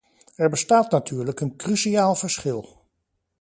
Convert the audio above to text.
Er bestaat natuurlijk een cruciaal verschil.